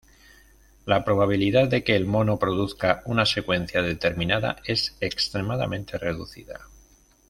La probabilidad de que el mono produzca una secuencia determinada es extremadamente reducida.